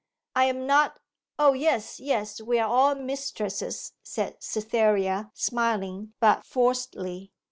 'I am not O yes, yes, we are all mistresses,' said Cytherea, smiling, but forcedly.